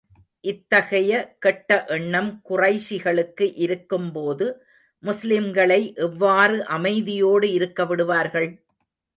இத்தகைய கெட்ட எண்ணம் குறைஷிகளுக்கு இருக்கும் போது, முஸ்லிம்களை எவ்வாறு அமைதியோடு இருக்க விடுவார்கள்?